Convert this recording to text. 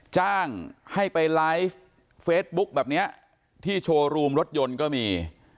จ้างให้ไปไลฟ์เฟซบุ๊คแบบนี้ที่โชว์รูมรถยนต์ก็มี